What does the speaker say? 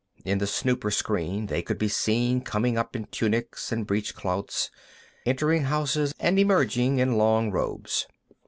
In the snooper screen, they could be seen coming up in tunics and breechclouts, entering houses, and emerging in long robes.